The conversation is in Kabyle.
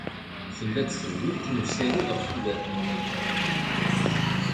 Tella-d tedwilt n usaru ɣef tudert n unazbay.